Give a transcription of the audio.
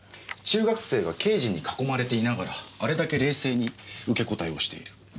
中学生が刑事に囲まれていながらあれだけ冷静に受け答えをしている。